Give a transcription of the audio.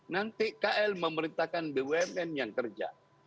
nanti kl memerintahkan bumn yang kerja